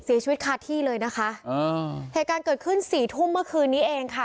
เสียชีวิตคาที่เลยนะคะอ่าเหตุการณ์เกิดขึ้นสี่ทุ่มเมื่อคืนนี้เองค่ะ